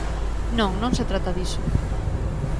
Non, non se trata diso.